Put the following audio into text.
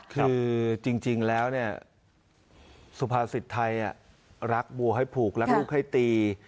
คือจริงแล้วเนี่ยสุภาษิตไทยรักบัวให้ผูกรักลูกให้ตี